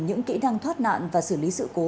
những kỹ năng thoát nạn và xử lý sự cố